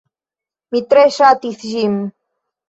Mi tre ŝatis ĝin